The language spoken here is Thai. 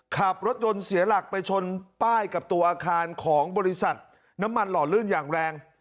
ขับรถยนต์เสียหลักไปชนป้ายกับตัวอาคารของบริษัทน้ำมันหล่อลื่นอย่างแรง